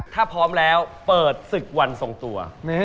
ถ้าพร้อมแล้วเปิดศึกวันทรงตัว